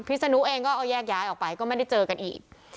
ศนุเองก็เอาแยกย้ายออกไปก็ไม่ได้เจอกันอีก